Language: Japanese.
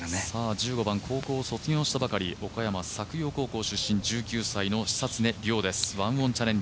１５番、高校卒業したばかり岡山・作陽高校出身１９歳の久常涼です、ワンオンチャレンジ。